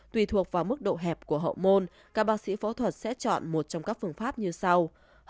tùy thuộc vào mức độ hẹp của hậu môn các bác sĩ phẫu thuật sẽ chọn một trong các phương pháp như sau